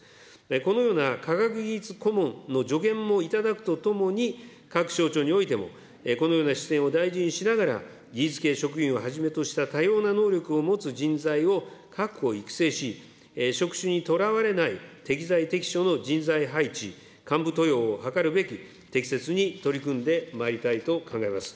このような科学技術顧問の助言も頂くとともに、各省庁においても、このような視点を大事にしながら、技術系職員をはじめとした、多様な能力を持つ人材を確保、育成し、職種にとらわれない適材適所の人材配置、幹部登用を図るべく、適切に取り組んでまいりたいと考えます。